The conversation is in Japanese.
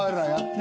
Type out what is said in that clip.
何？